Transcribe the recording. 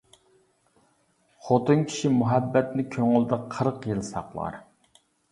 خوتۇن كىشى مۇھەببەتنى كۆڭلىدە قىرىق يىل ساقلار.